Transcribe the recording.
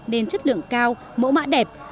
nên chất lượng cao mẫu mạ đẹp